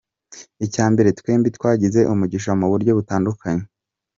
Icya mbere, twembi twagize umugisha mu buryo butandukanye.